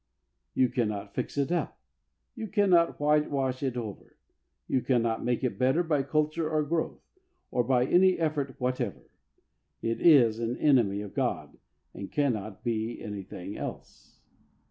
You cannot fix it up. You cannot whitewash it over. You cannot make it better by culture or growth, or by any effort whatever. It is an enemy of Goi and cannot be anything else.